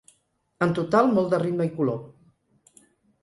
En total, molt de ritme i color.